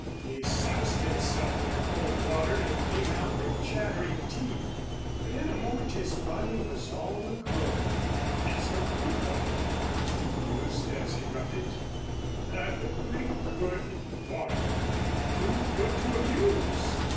He soused himself in the cold water and came out with chattering teeth, but in a moment his body was all aglow. "It's a good body," he mused as he rubbed it, "a perfectly good body, too good to abuse.